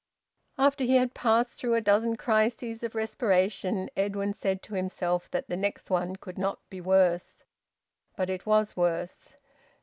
After he had passed through a dozen crises of respiration Edwin said to himself that the next one could not be worse. But it was worse.